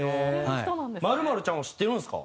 ○○ちゃんを知ってるんですか？